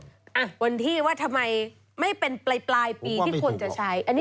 วันที่ว่าทำไมไม่เป็นปลายปีที่คนจะใช้